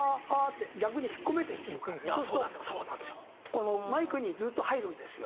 このマイクにずっと入るんですよ。